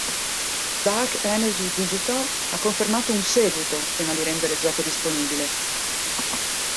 Dark Energy Digital ha confermato un seguito prima di rendere il gioco disponibile.